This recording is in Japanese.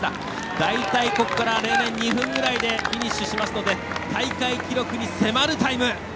大体ここから例年２分ぐらいでフィニッシュしますので大会記録に迫るタイム。